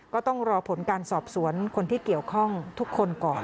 ก็ต้องรอผลการสอบสวนคนที่เกี่ยวข้องทุกคนก่อน